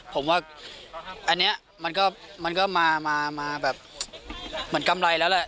ผมว่าอันนี้มันก็มาแบบเหมือนกำไรแล้วแหละ